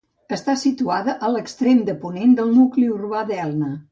Està situada a l'extrem de ponent del nucli urbà d'Elna.